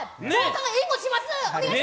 援護します！